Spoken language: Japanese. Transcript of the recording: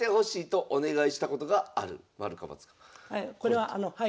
はい。